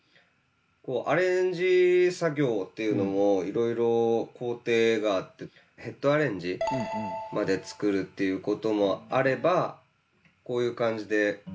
アレンジ作業っていうのもいろいろ工程があってヘッド・アレンジまで作るっていうこともあればこういう感じで。